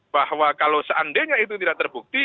bahwa kalau seandainya itu tidak terbukti